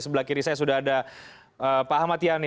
sebelah kiri saya sudah ada pak ahmad yani